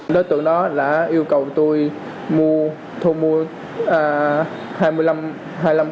đối tượng đó là yêu cầu tôi mua thu mua hai mươi năm